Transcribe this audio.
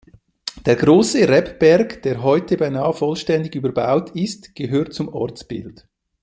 Der grosse Rebberg, der heute beinahe vollständig überbaut ist, gehörte zum Ortsbild.